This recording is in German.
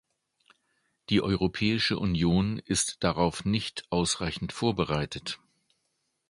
Die Europäische Union ist darauf noch nicht ausreichend vorbereitet.